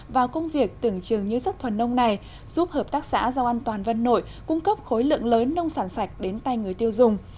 và công việc tưởng chừng như rất thuần nông này giúp hợp tác xã rau an toàn vân nội cung cấp khối lượng lớn nông sản sạch đến tay người tiêu dùng